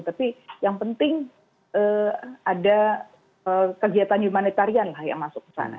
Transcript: tapi yang penting ada kegiatan humanitarian lah yang masuk ke sana